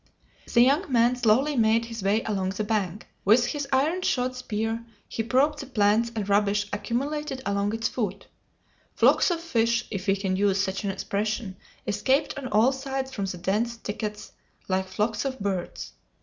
The young man slowly made his way along the bank. With his iron shod spear he probed the plants and rubbish accumulated along its foot. Flocks of fish, if we can use such an expression, escaped on all sides from the dense thickets like flocks of birds.